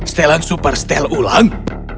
setelan super setel ulang